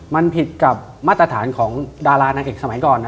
มันผิดกับมาตรฐานของดารานางเอกสมัยก่อนนะ